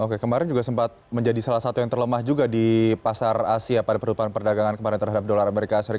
oke kemarin juga sempat menjadi salah satu yang terlemah juga di pasar asia pada penutupan perdagangan kemarin terhadap dolar as